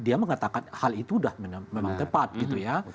dia mengatakan hal itu sudah memang tepat gitu ya